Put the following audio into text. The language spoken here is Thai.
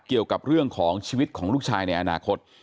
เกี่ยวกับเรื่องของชีวิตของลูกชายในอนาคต